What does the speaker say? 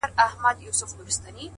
لمن دي نيسه چي په اوښكو يې در ډكه كړمه؛